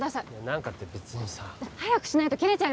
何かって別にさ早くしないと切れちゃいますよ